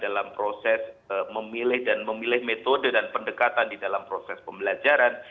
dalam proses memilih dan memilih metode dan pendekatan di dalam proses pembelajaran